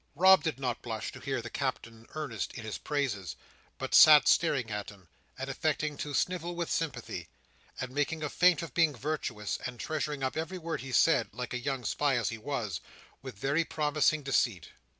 Rob did not blush to hear the Captain earnest in his praises, but sat staring at him, and affecting to snivel with sympathy, and making a feint of being virtuous, and treasuring up every word he said (like a young spy as he was) with very promising deceit.